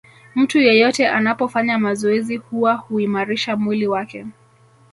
Mtu yeyote anapofanya mazoezi huwa huimarisha mwili wake